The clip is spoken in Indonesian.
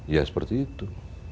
ya seperti itu